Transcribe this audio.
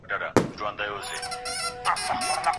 زحمت بې نتيجې نه پاتې کېږي.